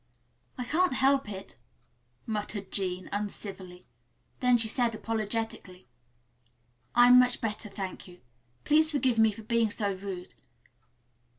"I can't help it," muttered Jean uncivilly. Then she said apologetically, "I'm much better, thank you. Please forgive me for being so rude."